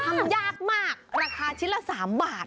ทำยากมากราคาชิ้นละ๓บาท